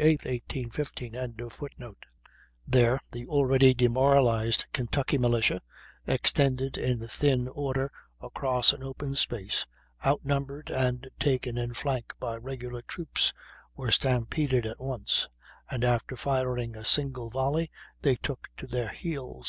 8. 1815.] There, the already demoralized Kentucky militia, extended in thin order across an open space, outnumbered, and taken in flank by regular troops, were stampeded at once, and after firing a single volley they took to their heels.